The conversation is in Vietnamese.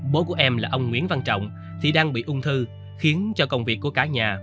bố của em là ông nguyễn văn trọng thì đang bị ung thư khiến cho công việc của cả nhà